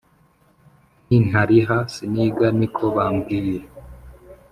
Nintariha siniga niko bambwiye